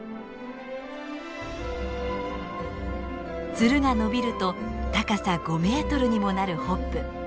ツルが伸びると高さ５メートルにもなるホップ。